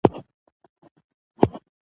ما ترې تپوس وکړو چې ولې؟